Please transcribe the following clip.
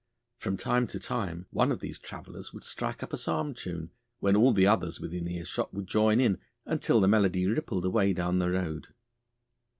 From time to time one of these travellers would strike up a psalm tune, when all the others within earshot would join in, until the melody rippled away down the road.